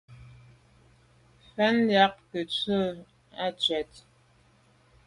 Mfen yag ke ntswe à ntshwèt.